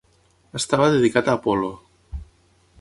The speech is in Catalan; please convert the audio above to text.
Estava dedicat a Apol·lo.